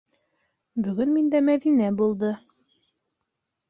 - Бөгөн миндә Мәҙинә булды.